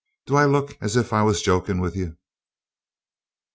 Do I look as if I was joking with you?"